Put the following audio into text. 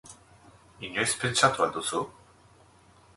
Inoiz pentsatu al duzu?